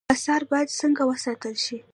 آثار باید څنګه وساتل شي؟